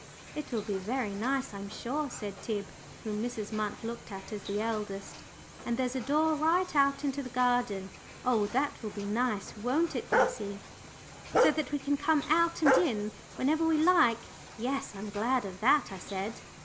"It will be very nice, I'm sure," said Tib, whom Mrs. Munt looked at as the eldest. "And there's a door right out into the garden oh, that will be nice! won't it, Gussie?" "So that we can come out and in whenever we like. Yes, I'm glad of that," I said.